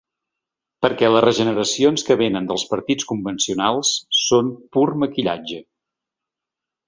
Perquè les regeneracions que vénen dels partits convencionals són pur maquillatge.